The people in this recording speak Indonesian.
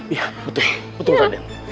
iya betul betul raden